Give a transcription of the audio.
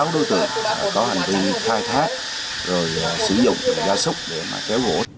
sáu đối tượng có hành vi khai thác rồi sử dụng ra súc để kéo gỗ